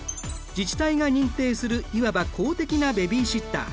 自治体が認定するいわば公的なベビーシッター。